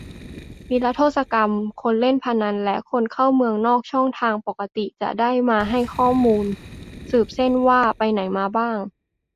นิรโทษกรรม คนเล่นพนันและคนเข้าเมืองนอกช่องทางปกติ - จะได้มาให้ข้อมูล สืบเส้นทางว่าไปไหนมาบ้าง